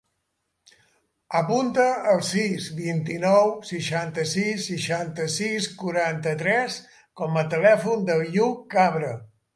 Apunta el sis, vint-i-nou, seixanta-sis, seixanta-sis, quaranta-tres com a telèfon de l'Iu Cabra.